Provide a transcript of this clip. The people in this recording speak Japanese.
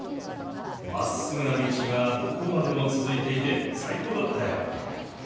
まっすぐな道がどこまでも続いていて最高だったよ。